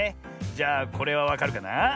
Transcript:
じゃあこれはわかるかな？